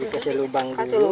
kasih lubang dulu